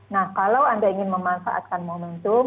nah kalau anda ingin memanfaatkan momentum